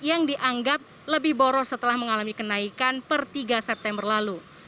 yang dianggap lebih boros setelah mengalami kenaikan per tiga september lalu